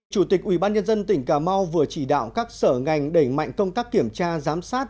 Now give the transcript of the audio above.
chủ tịch ubnd tỉnh cà mau vừa chỉ đạo các sở ngành đẩy mạnh công tác kiểm tra giám sát